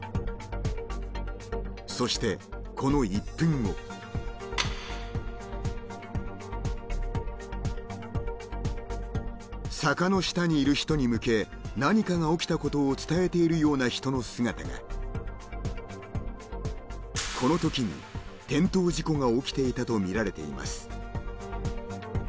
そしてこの１分後坂の下にいる人に向け何かが起きたことを伝えているような人の姿がこの時転倒事故が起きていたとみられています